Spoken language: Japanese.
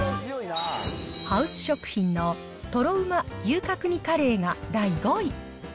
ハウス食品のとろうま牛角煮カレーが第５位。